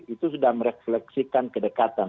itu sudah merefleksikan kedekatan